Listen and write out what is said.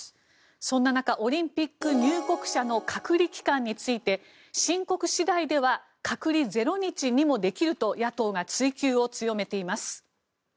そんな中オリンピック入国者の隔離期間について、申告次第では隔離０日にもできると野党が追及を強めています。